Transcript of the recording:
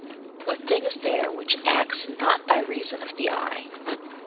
What thing is there which acts not by reason of the eye?